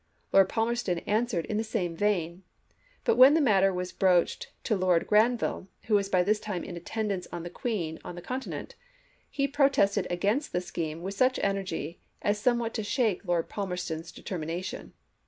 Lord Palmer ston answered in the same vein: but when the DIPLOMACY OF 1862 67 matter was broached to Lord Granville, who was chap. hi. by this time in attendance on the Queen on the Continent, he protested against the scheme with such energy as somewhat to shake Lord Palmer ston's determination.